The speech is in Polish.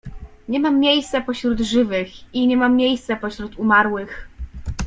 Nie mam miejsca pośród żywych i nie mam miejsca pośród umarłych…